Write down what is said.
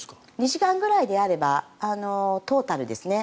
２時間ぐらいであればトータルですね。